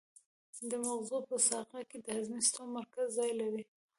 د مغزو په ساقه کې د هضمي سیستم مرکز ځای لري.